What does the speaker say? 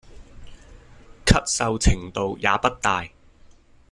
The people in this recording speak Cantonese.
咳嗽程度也不大